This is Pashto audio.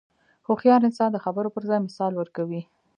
هوښیار انسان د خبرو پر ځای مثال ورکوي.